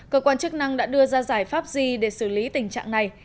cơ quan chức năng đã đưa ra giải pháp gì để xử lý tình trạng này